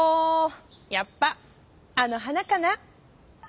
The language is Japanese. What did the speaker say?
やっぱあの花かな。